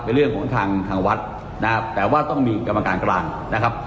เป็นเรื่องของทางทางวัดนะครับแต่ว่าต้องมีกรรมการกลางนะครับ